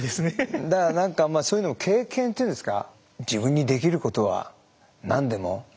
だから何かそういうのを経験っていうんですか。